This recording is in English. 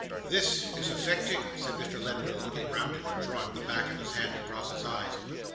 'This is affecting!' said Mr. Lenville, looking round him, and drawing the back of his hand across his eyes.